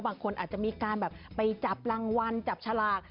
บางคนอาจจะมีการแบบไปจับรางวัลจับฉลาก